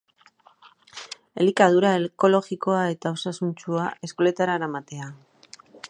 Elikadura ekologikoa eta osasuntsua eskoletara eramatea.